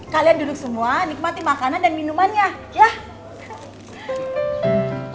kalian duduk semua nikmati makanan dan minumannya ya